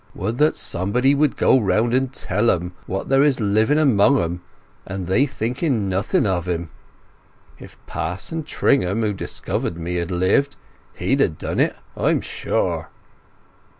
Would that somebody would go round and tell 'em what there is living among 'em, and they thinking nothing of him! If Pa'son Tringham, who discovered me, had lived, he'd ha' done it, I'm sure."